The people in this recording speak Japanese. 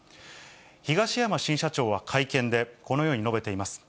東山新社長は会見で、このように述べています。